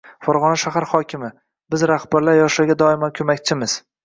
Farg‘ona shahar hokimi: biz, rahbarlar yoshlarga doimo ko‘makchimiz